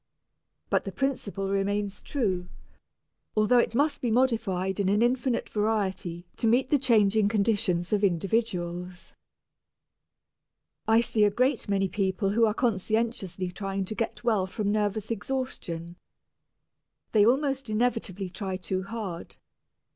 But the principle remains true, although it must be modified in an infinite variety to meet the changing conditions of individuals. I see a great many people who are conscientiously trying to get well from nervous exhaustion. They almost inevitably try too hard.